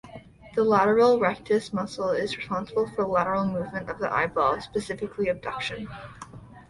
The lateral rectus muscle is responsible for lateral movement of the eyeball, specifically abduction.